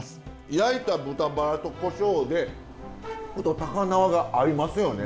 焼いた豚バラとこしょうで高菜が合いますよね。